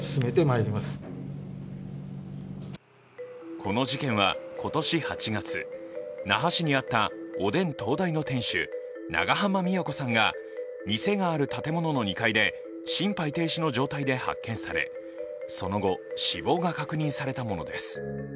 この事件は、今年８月那覇市にあったおでん東大の店主、長濱美也子さんが店がある建物の２階で心肺停止の状態で発見され、その後死亡が確認されたものです。